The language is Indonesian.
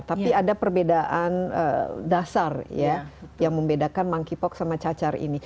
tapi ada perbedaan dasar ya yang membedakan monkeypox sama cacar ini